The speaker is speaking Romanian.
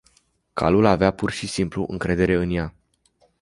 Calul avea pur și simplu încredere în ea.